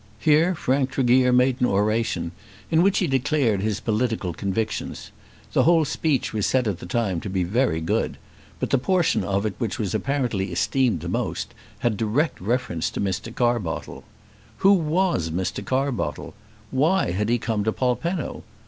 Here Frank Tregear made an oration, in which he declared his political convictions. The whole speech was said at the time to be very good; but the portion of it which was apparently esteemed the most, had direct reference to Mr. Carbottle. Who was Mr. Carbottle? Why had he come to Polpenno?